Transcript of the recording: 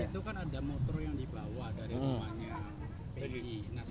itu kan ada motor yang dibawa dari rumahnya bi